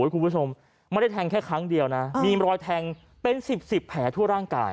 คุณผู้ชมไม่ได้แทงแค่ครั้งเดียวนะมีรอยแทงเป็น๑๐๑๐แผลทั่วร่างกาย